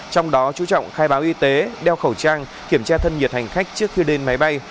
trong đó chú trọng khai báo y tế đeo khẩu trang kiểm tra thân nhiệt hành khách trước khi đến máy bay